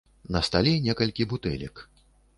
На стале некалькі бутэлек.